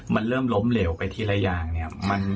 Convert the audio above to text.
มันเริ่มล้มเหลวไปทีละอย่างเนี่ย